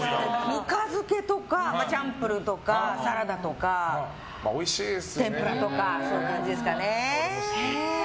ぬか漬けとかチャンプルーとか、サラダとか天ぷらとかそういう感じですかね。